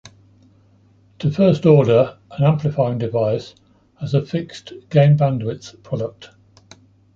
To first order, an amplifying device has a fixed gain-bandwidth product.